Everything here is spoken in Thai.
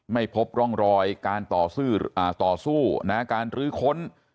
ไม่พบร่องรอยการต่อสู้การรื้อค้น